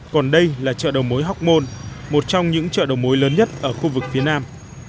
còn đây là chợ đầu mối hóc môn một trong những chợ đầu mối lớn nhất ở khu vực phía nam